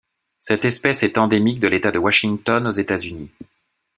Cette espèce est endémique de l'État de Washington aux États-Unis.